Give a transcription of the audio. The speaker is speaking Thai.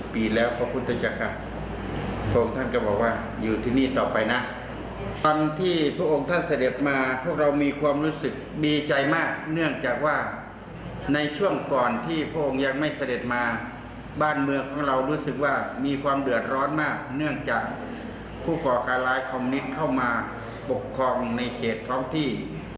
ผู้ก่อการร้ายคอมนิตเข้ามาปกครองในเขตพร้อมที่